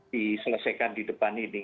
diselesaikan di depan ini